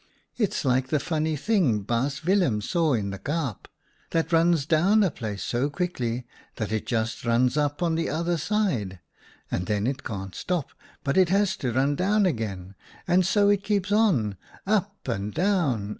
It's like the funny thing Baas Willem saw in the Kaap, 2 that runs down a place so quickly that it just runs up on the other side, and then it can't stop, but it has to run down again, and 1 " Berry, berry, blackberry, Hold your hands together."